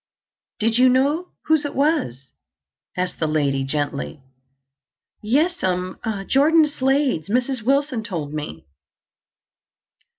"Did you know whose it was?" asked the lady gently. "Yes'm—Jordan Slade's. Mrs. Wilson told me."